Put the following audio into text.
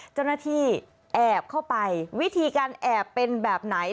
เจ้าหน้าที่แอบเข้าไปวิธีการแอบเป็นแบบไหน